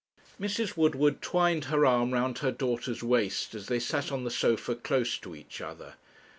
Mrs. Woodward twined her arm round her daughter's waist, as they sat on the sofa close to each other.